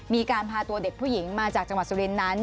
มีการพาตัวเด็กผู้หญิงมาจากจังหวัดสุรินทร์นั้น